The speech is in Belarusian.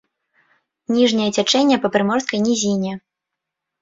Ніжняе цячэнне па прыморскай нізіне.